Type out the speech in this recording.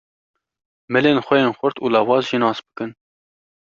Milên xwe yên xurt û lawaz jî nas bikin.